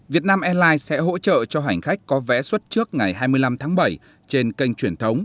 việt nam airlines sẽ hỗ trợ cho hành khách có vé xuất trước ngày hai mươi năm tháng bảy trên kênh truyền thống